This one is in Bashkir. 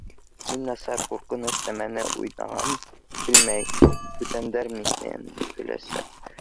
Мин насар, ҡурҡыныс нәмәне уйнағым килмәй, бүтәндәр минән көләсәк.